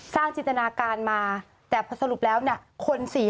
สร้างจินตนาการมาแต่พอสรุปแล้วเนี่ย